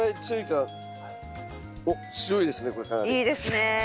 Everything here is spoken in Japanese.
いいですねえ。